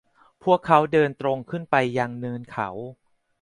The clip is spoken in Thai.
พวกเขาเดินตรงขึ้นไปยังเนินเขา